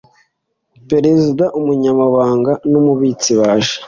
Perezida Umunyamabanga n Umubitsi baje